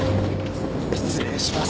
失礼します。